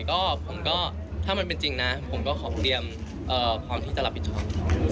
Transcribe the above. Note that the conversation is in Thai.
ก็ผมก็ถ้ามันเป็นจริงนะผมก็ขอเตรียมพร้อมที่จะรับผิดชอบ